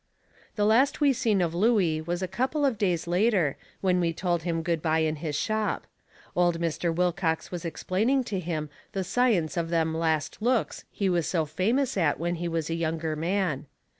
The last we seen of Looey was a couple of days later when we told him good bye in his shop. Old Mr. Wilcox was explaining to him the science of them last looks he was so famous at when he was a younger man.